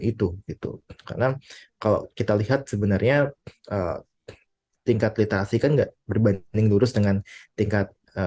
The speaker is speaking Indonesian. itu karena kalau kita lihat sebenarnya tingkat literasi kan enggak berbanding lurus dengan tingkat